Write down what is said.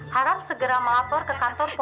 harap segera melapor ke kantor